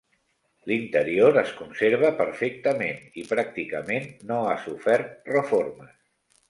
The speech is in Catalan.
L'interior es conserva perfectament i pràcticament no ha sofert reformes.